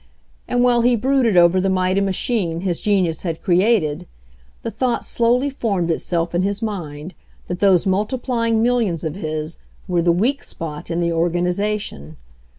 And while he brooded over the mighty machine his genius had created, the thought slowly formed itself in his mind that those multiplying millions of his were the weak spot in the organization.